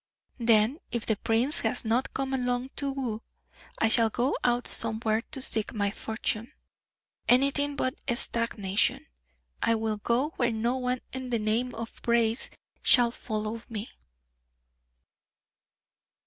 Then, if the prince has not come along to woo, I shall go out somewhere to seek my fortune. Anything but stagnation. I will go where no one of the name of Brace shall follow me."